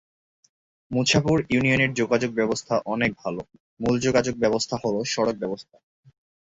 মুছাপুর ইউনিয়নের যোগাযোগ ব্যবস্থা অনেক ভাল, মূল যোগাযোগ ব্যবস্থা হলো সড়ক ব্যবস্থা।